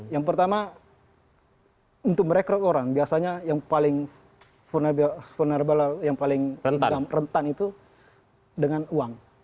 yang pertama untuk merekrut orang biasanya yang paling vulnerable yang paling rentan itu dengan uang